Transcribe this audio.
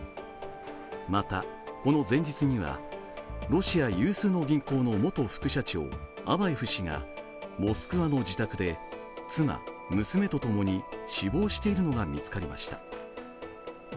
またこの前日には、ロシア有数の銀行の元副社長、アバエフ氏がモスクワの自宅で妻、娘とともに死亡しているのが見つかりました。